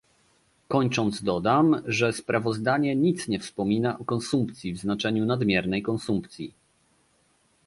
Kończąc dodam, że sprawozdanie nic nie wspomina o konsumpcji w znaczeniu nadmiernej konsumpcji